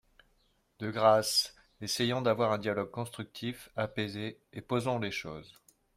De grâce, essayons d’avoir un dialogue constructif, apaisé, et posons les choses.